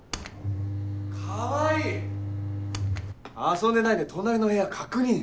・遊んでないで隣の部屋確認！